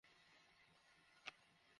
আমার মাথায় কেন এলো না?